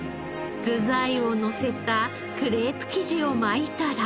具材をのせたクレープ生地を巻いたら。